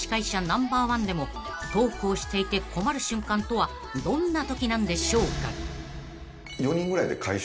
ナンバーワンでもトークをしていて困る瞬間とはどんなときなんでしょうか］